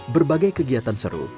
berbagai kegiatan seru